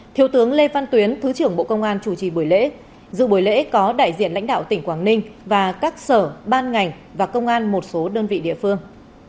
thiếu tướng lê văn tuyến thứ trưởng bộ công an chủ trì buổi lễ dự buổi lễ có đại diện lãnh đạo tỉnh quảng ninh và các sở ban ngành và công an một số đơn vị địa phương